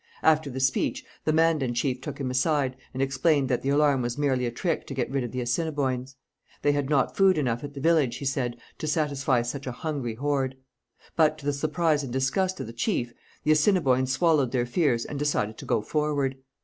After the speech, the Mandan chief took him aside, and explained that the alarm was merely a trick to get rid of the Assiniboines. They had not food enough at the village, he said, to satisfy such a hungry horde. But, to the surprise and disgust of the chief, the Assiniboines swallowed their fears and decided to go forward.